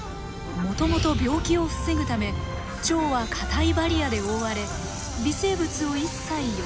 もともと病気を防ぐため腸は硬いバリアで覆われ微生物を一切寄せつけませんでした。